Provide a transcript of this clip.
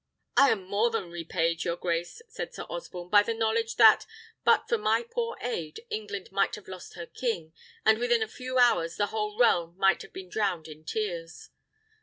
"I am more than repaid, your grace," said Sir Osborne, "by the knowledge that, but for my poor aid, England might have lost her king, and within a few hours the whole realm might have been drowned in tears."